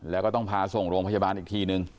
แล้วก็ต้องพาส่งโรงพยาบาลอีกทีนึง